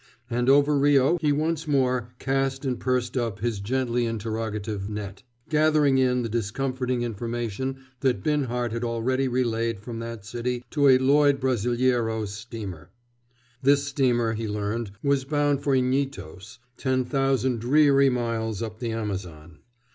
And over Rio he once more cast and pursed up his gently interrogative net, gathering in the discomforting information that Binhart had already relayed from that city to a Lloyd Brazileiro steamer. This steamer, he learned, was bound for Ignitos, ten thousand dreary miles up the Amazon.